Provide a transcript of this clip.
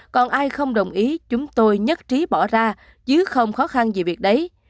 còn ai không đồng ý chúng tôi nhất trí bỏ ra chứ không khó khăn gì việc đấy